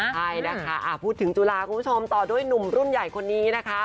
ใช่นะคะพูดถึงจุฬาคุณผู้ชมต่อด้วยหนุ่มรุ่นใหญ่คนนี้นะคะ